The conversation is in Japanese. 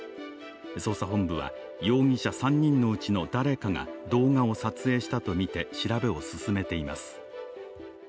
捜査本部は容疑者３人のうちの誰かが動画を撮影したとみて調べを進めています。